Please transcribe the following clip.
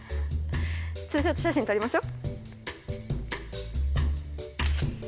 ツーショット写真撮りましょ。